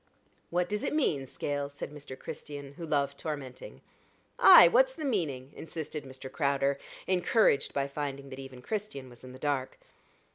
"What does it mean, Scales?" said Mr. Christian, who loved tormenting. "Ay, what's the meaning?" insisted Mr. Crowder, encouraged by finding that even Christian was in the dark.